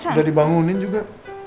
udah dibangunin juga